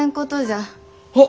あっ！